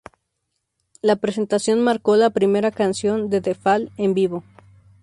La presentación marcó la primera canción de The Fall en vivo.